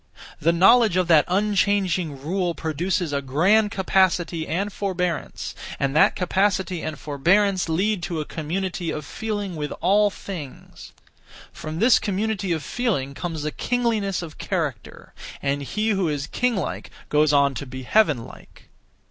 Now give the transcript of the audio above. The knowledge of that unchanging rule produces a (grand) capacity and forbearance, and that capacity and forbearance lead to a community (of feeling with all things). From this community of feeling comes a kingliness of character; and he who is king like goes on to be heaven like.